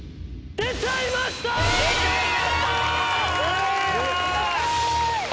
出ちゃいました‼え